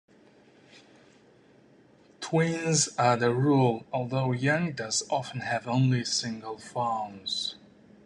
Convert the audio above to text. Twins are the rule, although young does often have only single fawns.